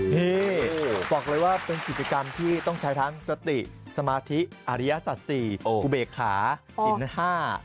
นี่บอกเลยว่าเป็นกิจกรรมที่ต้องใช้ทั้งสติสมาธิอริยสัตศรีอุเบกขาหินห้า